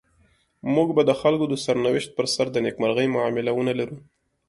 موږ به د خلکو د سرنوشت پر سر د نيکمرغۍ معامله ونلرو.